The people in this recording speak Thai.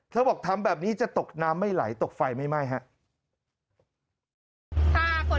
บอกทำแบบนี้จะตกน้ำไม่ไหลตกไฟไม่ไหม้ครับ